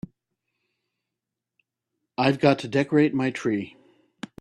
I've got to decorate my tree.